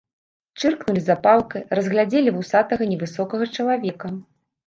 Чыркнулі запалкай, разгледзелі вусатага невысокага чалавека.